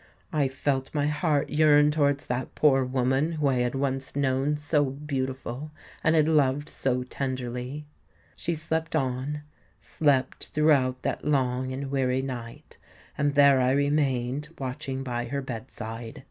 I felt my heart yearn towards that poor woman whom I had once known so beautiful and had loved so tenderly. She slept on,—slept throughout that long and weary night; and there I remained, watching by her bed side.